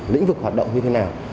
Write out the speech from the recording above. lĩnh vực hoạt động như thế nào